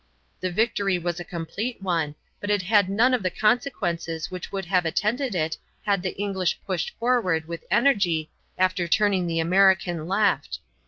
] The victory was a complete one, but it had none of the consequences which would have attended it had the English pushed forward with energy after turning the American left.